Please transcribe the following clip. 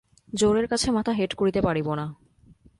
জোরের কাছে মাথা হেঁট করিতে পারিব না।